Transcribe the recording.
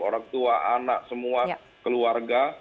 orang tua anak semua keluarga